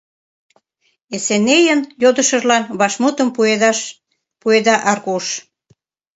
— Эсенейын йодышыжлан вашмутым пуэда Аркуш.